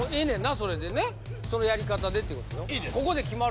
それでねそのやり方でってことよいいです